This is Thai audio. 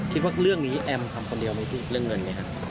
คิดว่าเรื่องนี้แอมทำคนเดียวไหมพี่เรื่องเงินเนี่ยครับ